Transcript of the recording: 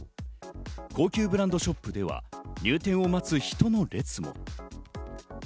高級ブランドショップでは入店を待つ人の列も。